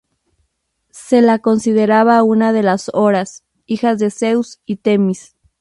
Se la consideraba una de las Horas, hija de Zeus y Temis.